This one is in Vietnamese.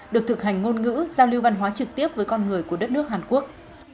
được thực hành ngôn ngữ giao lưu văn hóa trực tiếp với con người của đất nước hàn quốc